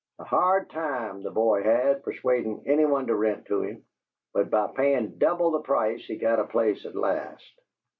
A hard time the boy had, persuadin' any one to rent to him, but by payin' double the price he got a place at last.